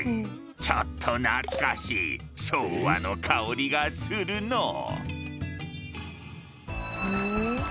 ちょっと懐かしい昭和の薫りがするのう。